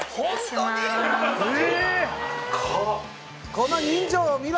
この人情を見ろ！